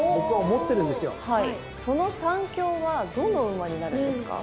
その３強はどの馬になるんですか？